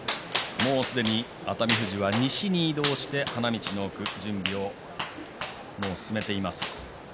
もうすでに熱海富士は西に移動をして花道の奥準備を進めています。